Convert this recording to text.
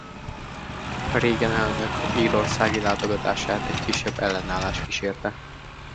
Reagan elnök írországi látogatását egy kisebb ellenállás kísérte.